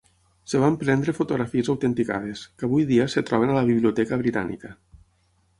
Es van prendre fotografies autenticades, que avui dia es troben a la Biblioteca Britànica.